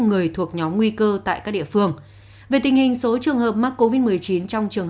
người thuộc nhóm nguy cơ tại các địa phương về tình hình số trường hợp mắc covid một mươi chín trong trường